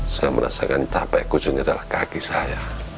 saya merasakan capai kusun idalah kaki saya